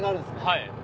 はい。